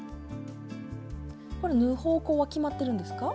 これ縫う方向は決まってるんですか？